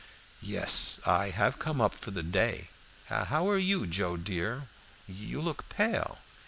"Yes, I nave come up for the day. How are you, Joe dear? You look pale.